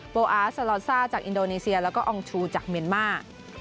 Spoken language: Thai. อาสลอนซ่าจากอินโดนีเซียแล้วก็อองชูจากเมียนมาร์